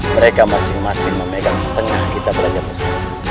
mereka masing masing memegang setengah kita raja musti